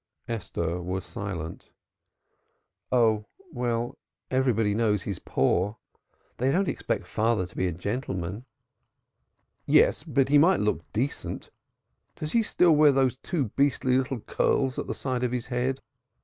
Esther was silent. "Oh, well, everybody knows he's poor. They don't expect father to be a gentleman." "Yes, but he might look decent. Does he still wear those two beastly little curls at the side of his head?